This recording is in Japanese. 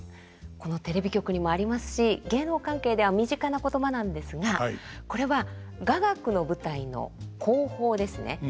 このテレビ局にもありますし芸能関係では身近な言葉なんですがこれは雅楽の舞台の後方ですね。